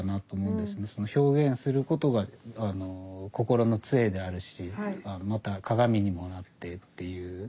表現することが心の杖であるしまた鏡にもなってっていう。